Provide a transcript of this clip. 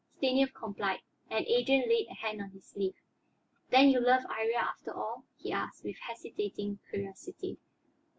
Stanief complied, and Adrian laid a hand on his sleeve. "Then you love Iría, after all?" he asked, with hesitating curiosity.